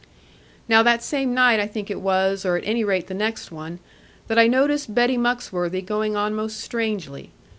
Now that same night I think it was, or at any rate the next one, that I noticed Betty Muxworthy going on most strangely.